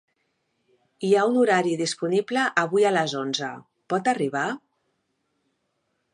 Hi ha un horari disponible avui a les onze, pot arribar?